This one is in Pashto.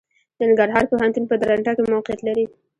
د ننګرهار پوهنتون په درنټه کې موقعيت لري.